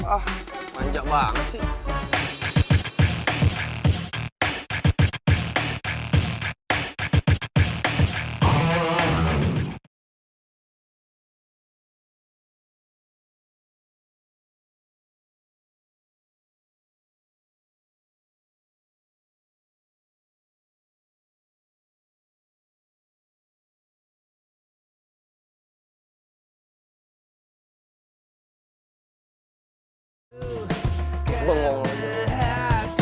ah manja banget sih